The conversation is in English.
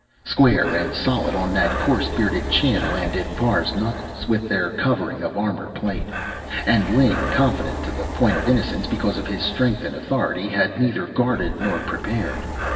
Square and solid on that coarse bearded chin landed Parr's knuckles, with their covering of armor plate. And Ling, confident to the point of innocence because of his strength and authority, had neither guarded nor prepared.